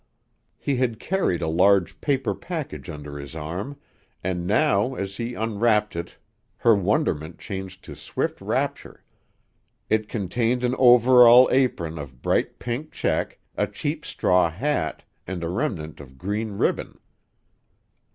He had carried a large paper package under his arm, and now as he unwrapped it her wonderment changed to swift rapture. It contained an overall apron of bright pink check, a cheap straw hat, and a remnant of green ribbon.